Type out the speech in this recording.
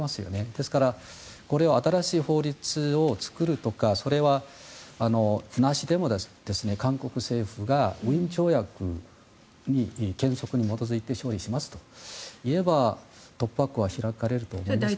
ですからこれを新しい法律を作るとかそれなしでも韓国政府がウィーン条約の原則に基づいて承認しますと言えば突破口は開かれると思います。